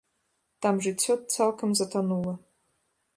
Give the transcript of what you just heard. Там жыццё цалкам затанула.